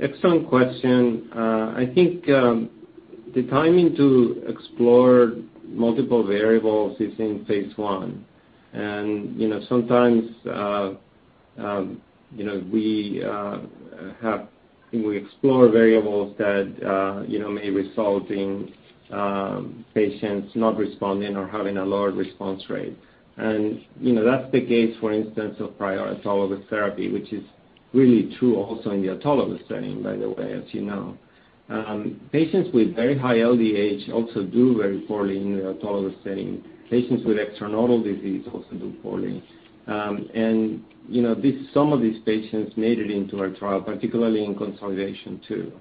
Speaker 4: Excellent question. I think the timing to explore multiple variables is in phase I. You know, sometimes we explore variables that you know may result in patients not responding or having a lower response rate. You know, that's the case for instance of prior autologous therapy, which is really true also in the autologous setting, by the way, as you know. Patients with very high LDH also do very poorly in the autologous setting. Patients with extranodal disease also do poorly. You know, some of these patients made it into our trial, particularly in consolidation too.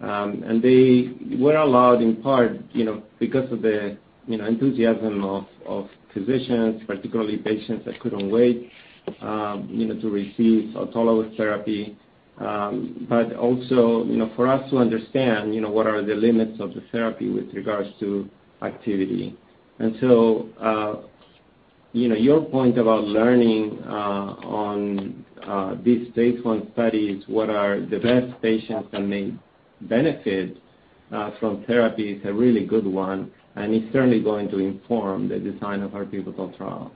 Speaker 4: They were allowed in part, you know, because of the enthusiasm of physicians, particularly patients that couldn't wait, you know, to receive autologous therapy. you know, for us to understand, you know, what are the limits of the therapy with regards to activity. you know, your point about learning on these phase I studies, what are the best patients that may benefit from therapy is a really good one, and it's certainly going to inform the design of our pivotal trial.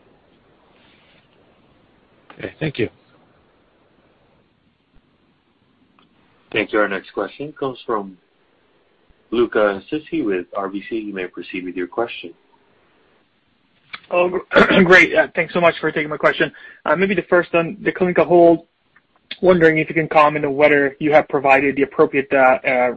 Speaker 7: Okay. Thank you.
Speaker 1: Thank you. Our next question comes from Luca Issi with RBC. You may proceed with your question.
Speaker 9: Oh, great. Thanks so much for taking my question. Maybe the first on the clinical hold, wondering if you can comment on whether you have provided the appropriate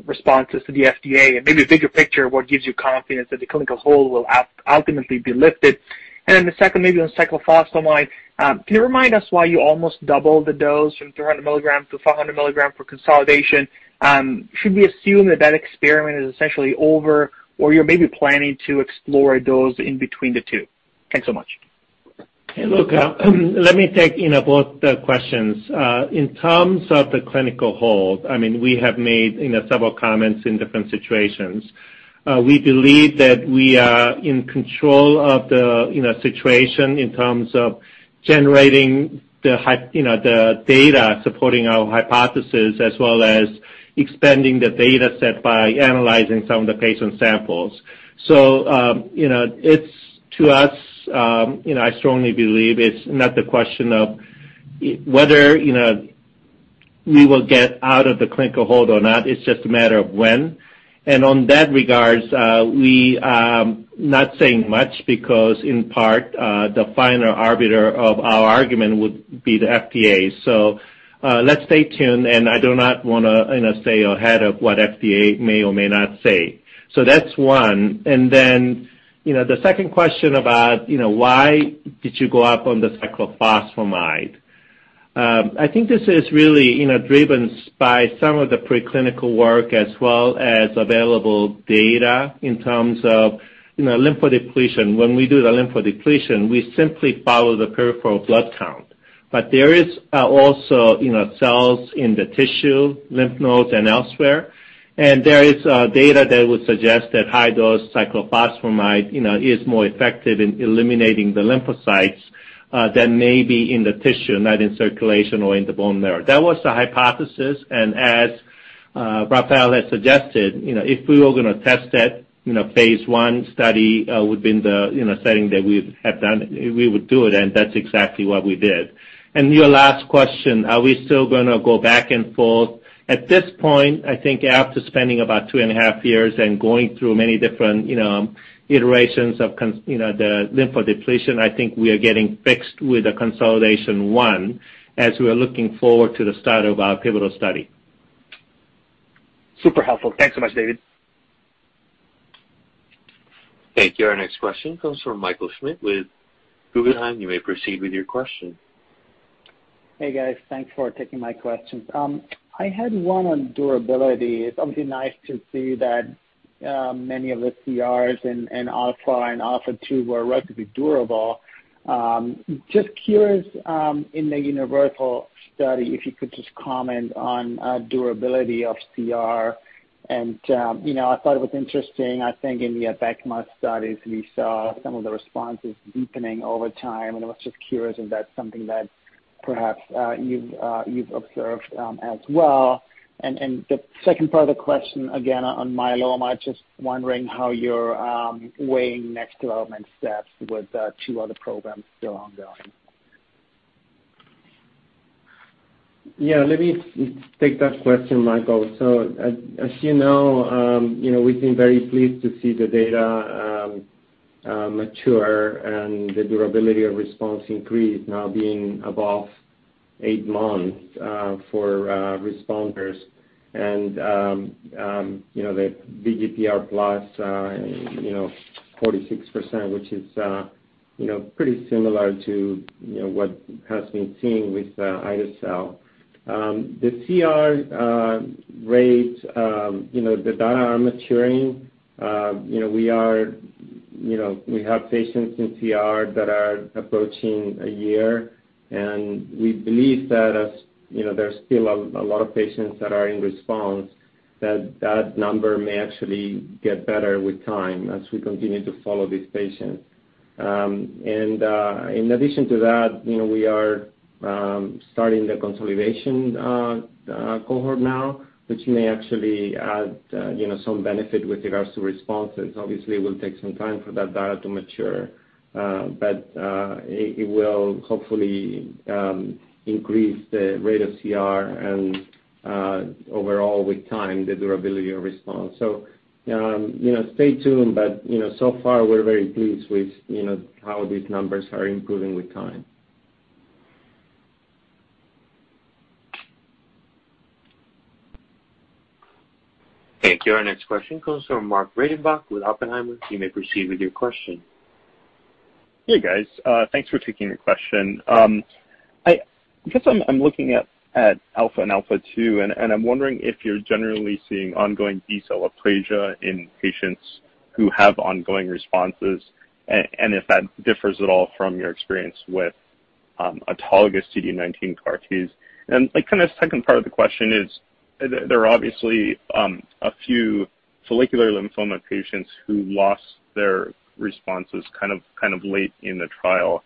Speaker 9: responses to the FDA and maybe a bigger picture of what gives you confidence that the clinical hold will ultimately be lifted. The second maybe on cyclophosphamide, can you remind us why you almost doubled the dose from 300 mg to 500 mg for consolidation? Should we assume that that experiment is essentially over or you're maybe planning to explore a dose in between the two? Thanks so much.
Speaker 3: Hey, look, let me take, you know, both the questions. In terms of the clinical hold, I mean, we have made, you know, several comments in different situations. We believe that we are in control of the, you know, situation in terms of generating the data supporting our hypothesis as well as expanding the data set by analyzing some of the patient samples. It's to us, you know, I strongly believe it's not the question of whether, you know, we will get out of the clinical hold or not, it's just a matter of when. On that regards, we not saying much because in part, the final arbiter of our argument would be the FDA. Let's stay tuned, and I do not wanna, you know, say ahead of what FDA may or may not say. That's one. The second question about, you know, why did you go up on the cyclophosphamide? I think this is really, you know, driven by some of the preclinical work as well as available data in terms of, you know, lymphodepletion. When we do the lymphodepletion, we simply follow the peripheral blood count. There is also, you know, cells in the tissue, lymph nodes, and elsewhere. There is data that would suggest that high-dose cyclophosphamide, you know, is more effective in eliminating the lymphocytes than maybe in the tissue, not in circulation or in the bone marrow. That was the hypothesis. As Rafael has suggested, you know, if we were gonna test that, you know, phase I study would be in the, you know, setting that we have done, we would do it, and that's exactly what we did. Your last question, are we still gonna go back and forth? At this point, I think after spending about 2.5 years and going through many different, you know, iterations of you know, the lymphodepletion, I think we are getting fixed with the consolidation one as we are looking forward to the start of our pivotal study.
Speaker 9: Super helpful. Thanks so much, David.
Speaker 1: Thank you. Our next question comes from Michael Schmidt with Guggenheim. You may proceed with your question.
Speaker 10: Hey, guys. Thanks for taking my questions. I had one on durability. It's obviously nice to see that many of the CRs in ALPHA and ALPHA2 were relatively durable. Just curious, in the UNIVERSAL study, if you could just comment on durability of CR. You know, I thought it was interesting, I think in the ABECMA studies we saw some of the responses deepening over time, and I was just curious if that's something that perhaps you've observed as well. And the second part of the question, again, on myeloma, just wondering how you're weighing next development steps with the two other programs still ongoing.
Speaker 3: Yeah, let me take that question, Michael. As you know, we've been very pleased to see the data mature and the durability of response increase now being above eight months for responders. The VGPR plus 46%, which is pretty similar to what has been seen with ide-cel. The CR rate, the data are maturing. We have patients in CR that are approaching a year, and we believe that as there's still a lot of patients that are in response that number may actually get better with time as we continue to follow these patients. In addition to that, you know, we are starting the consolidation cohort now, which may actually add, you know, some benefit with regards to responses. Obviously, it will take some time for that data to mature, but it will hopefully increase the rate of CR and overall with time, the durability of response. You know, stay tuned, but you know, so far we're very pleased with, you know, how these numbers are improving with time.
Speaker 1: Thank you. Our next question comes from Mark Breidenbach with Oppenheimer. You may proceed with your question.
Speaker 11: Hey, guys. Thanks for taking the question. I guess I'm looking at ALPHA and ALPHA2, and I'm wondering if you're generally seeing ongoing B-cell aplasia in patients who have ongoing responses, and if that differs at all from your experience with autologous CD19 CAR Ts. Like, kind of second part of the question is, there are obviously a few follicular lymphoma patients who lost their responses kind of late in the trial.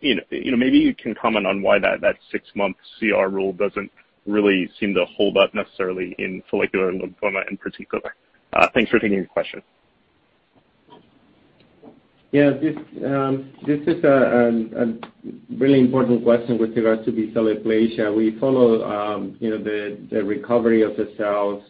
Speaker 11: You know, maybe you can comment on why that six-month CR rule doesn't really seem to hold up necessarily in follicular lymphoma in particular. Thanks for taking the question.
Speaker 3: Yeah. This is a really important question with regards to B-cell aplasia. We follow you know the recovery of the cells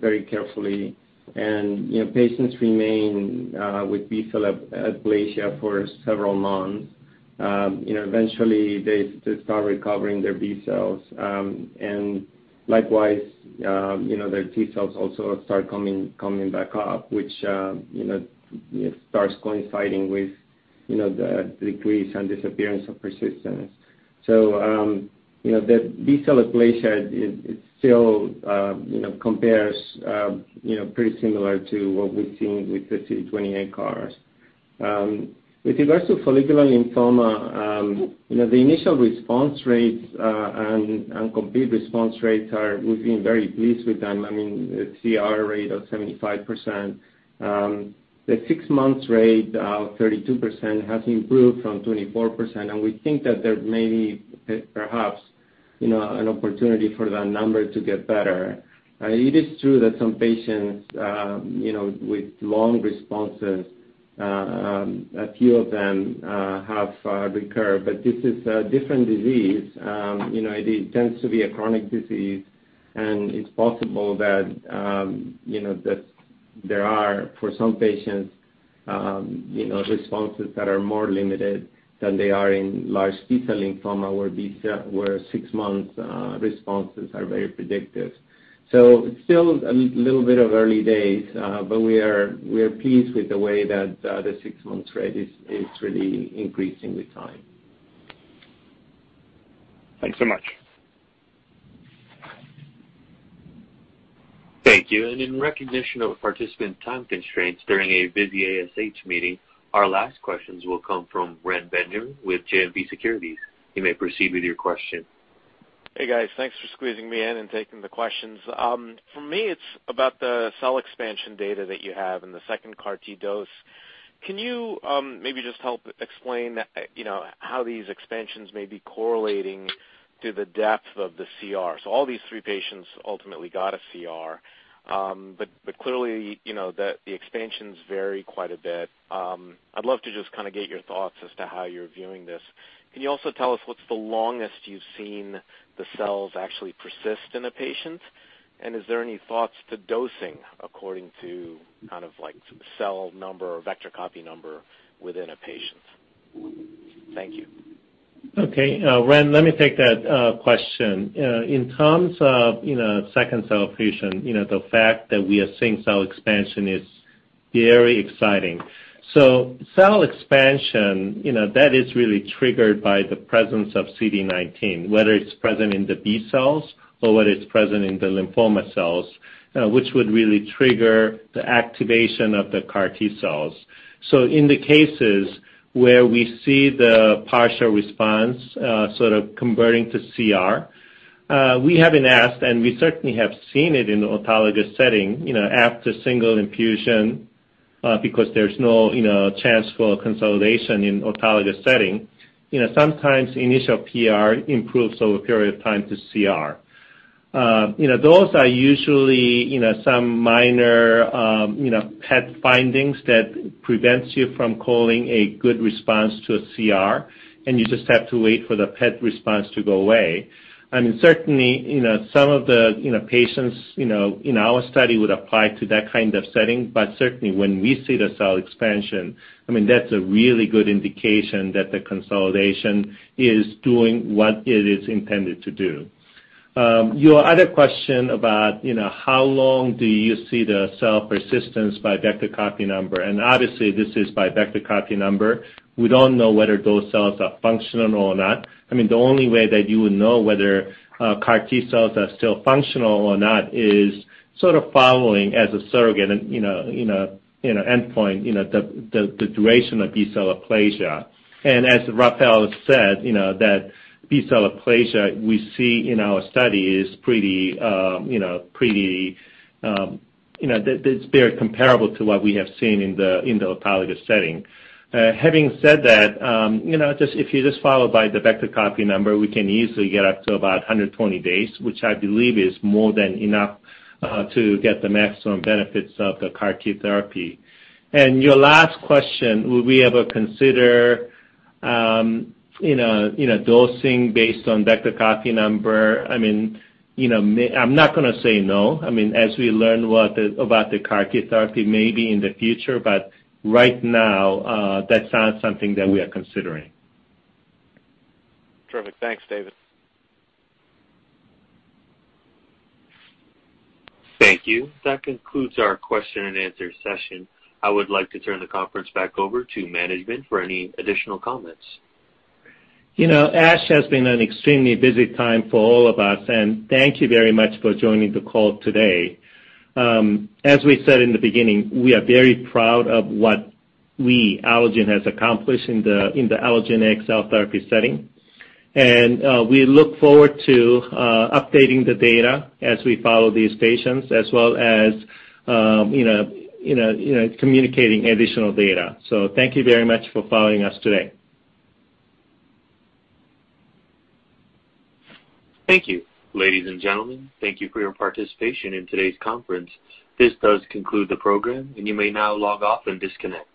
Speaker 3: very carefully and you know patients remain with B-cell aplasia for several months. You know eventually they start recovering their B cells. And likewise you know their T cells also start coming back up which you know starts coinciding with you know the decrease and disappearance of persistence. You know the B-cell aplasia it's still you know compares you know pretty similar to what we've seen with the CD28 CARs. With regards to follicular lymphoma you know the initial response rates and complete response rates are. We've been very pleased with them. I mean, the CR rate of 75%, the six-month rate of 32% has improved from 24%, and we think that there may be perhaps, you know, an opportunity for that number to get better. It is true that some patients, you know, with long responses, a few of them, have recurred, but this is a different disease. You know, it tends to be a chronic disease, and it's possible that, you know, that there are, for some patients, you know, responses that are more limited than they are in large B-cell lymphoma, where six-month responses are very predictive. It's still a little bit of early days, but we are pleased with the way that the six-month rate is really increasing with time.
Speaker 11: Thanks so much.
Speaker 1: Thank you. In recognition of participant time constraints during a busy ASH meeting, our last questions will come from Ren Benjamin with JMP Securities. You may proceed with your question.
Speaker 12: Hey, guys. Thanks for squeezing me in and taking the questions. For me, it's about the cell expansion data that you have in the second CAR T dose. Can you maybe just help explain, you know, how these expansions may be correlating to the depth of the CR? All these three patients ultimately got a CR, but clearly, you know, the expansions vary quite a bit. I'd love to just kind of get your thoughts as to how you're viewing this. Can you also tell us what's the longest you've seen the cells actually persist in a patient? And is there any thoughts to dosing according to kind of like cell number or vector copy number within a patient? Thank you.
Speaker 3: Okay. Ren, let me take that question. In terms of, you know, second cell infusion, you know, the fact that we are seeing cell expansion is very exciting. Cell expansion, you know, that is really triggered by the presence of CD19, whether it's present in the B cells or whether it's present in the lymphoma cells, which would really trigger the activation of the CAR T cells. In the cases where we see the partial response, sort of converting to CR, we haven't asked, and we certainly have seen it in autologous setting, you know, after single infusion, because there's no, you know, chance for consolidation in autologous setting. You know, sometimes initial PR improves over a period of time to CR. You know, those are usually, you know, some minor, you know, PET findings that prevents you from calling a good response to a CR, and you just have to wait for the PET response to go away. I mean, certainly, you know, some of the, you know, patients, you know, in our study would apply to that kind of setting. Certainly when we see the cell expansion, I mean, that's a really good indication that the consolidation is doing what it is intended to do. Your other question about, you know, how long do you see the cell persistence by vector copy number, and obviously this is by vector copy number. We don't know whether those cells are functional or not. I mean, the only way that you would know whether CAR T cells are still functional or not is sort of following as a surrogate and you know endpoint, you know, the duration of B-cell aplasia. As Raphael said, you know, that B-cell aplasia we see in our study is pretty you know pretty you know that it's very comparable to what we have seen in the autologous setting. Having said that, you know, just if you follow by the vector copy number, we can easily get up to about 120 days, which I believe is more than enough to get the maximum benefits of the CAR T therapy. Your last question, will we ever consider you know dosing based on vector copy number? I mean, you know, I'm not gonna say no. I mean, as we learn about the CAR T therapy, maybe in the future, but right now, that's not something that we are considering.
Speaker 12: Terrific. Thanks, David.
Speaker 1: Thank you. That concludes our question and answer session. I would like to turn the conference back over to management for any additional comments.
Speaker 3: You know, ASH has been an extremely busy time for all of us, and thank you very much for joining the call today. As we said in the beginning, we are very proud of what we, Allogene, has accomplished in the AlloCAR T therapy setting. We look forward to updating the data as we follow these patients as well as you know, communicating additional data. Thank you very much for following us today.
Speaker 1: Thank you. Ladies and gentlemen, thank you for your participation in today's conference. This does conclude the program, and you may now log off and disconnect.